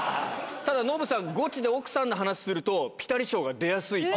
ただノブさん、ゴチで奥さんの話、すると、ピタリ賞が出やすい。